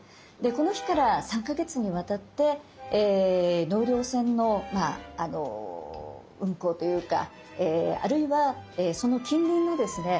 この日から３か月にわたって納涼船の運行というかあるいはその近隣のですね